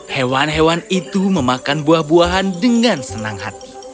hewan hewan itu memakan buah buahan dengan senang hati